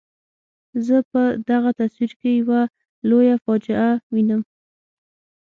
زه په دغه تصویر کې یوه لویه فاجعه وینم.